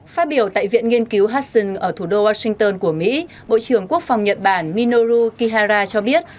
phát biểu tại viện nghiên cứu hussen ở thủ đô washington của mỹ bộ trưởng quốc phòng nhật bản minoru kihara cho biết